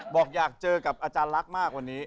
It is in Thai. บอกอยากเจอกับอาจารย์ลักษณ์มากวันนี้